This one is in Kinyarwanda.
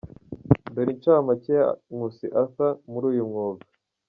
Dore incamake ya Nkusi Arthur muri uyu mwuga.